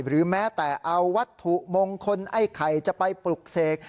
แม้แต่เอาวัตถุมงคลไอ้ไข่จะไปปลุกเสก